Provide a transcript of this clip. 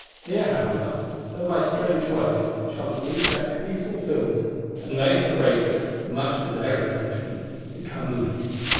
Here, however, though by strange ways, shall the Precept be fulfilled, and they that are greatest (much to their astonishment) become least.